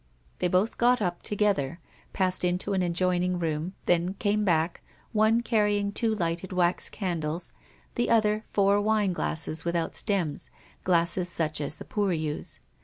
They both got up together, passed into an adjoining room, then came back, one carrying two lighted wax candles, the other four wineglasses without stems, glasses such as the poor use.